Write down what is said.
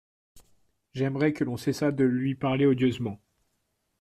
J’aimerais que l’on cessât de lui parler odieusement.